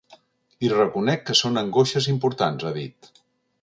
I reconec que són angoixes importants, ha dit.